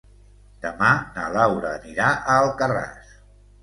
Demà na Laura anirà a Alcarràs.